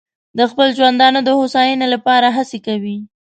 د خپل ژوندانه د هوساینې لپاره هڅې کوي.